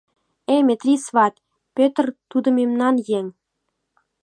— Э-э, Метри сват, Пӧтыр тудо мемнан еҥ.